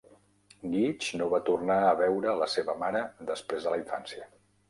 Geach no va tornar a veure la seva mare després de la infància.